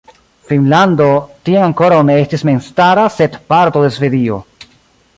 Finnlando tiam ankoraŭ ne estis memstara, sed parto de Svedio.